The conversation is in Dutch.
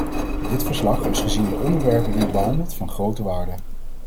Dit verslag is gezien de onderwerpen die het behandelt, van grote waarde.